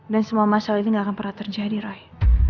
dan semua masalah ini ga akan pernah terjadi roy